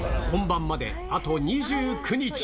本番まであと２９日。